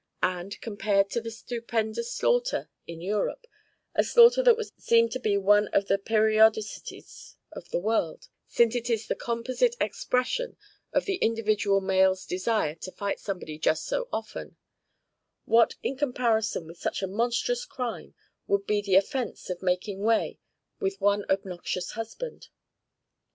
And, compared with the stupendous slaughter in Europe, a slaughter that would seem to be one of the periodicities of the world, since it is the composite expression of the individual male's desire to fight somebody just so often what, in comparison with such a monstrous crime, would be the offence of making way with one obnoxious husband?